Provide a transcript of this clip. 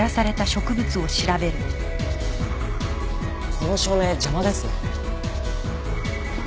この照明邪魔ですね。